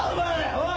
おい！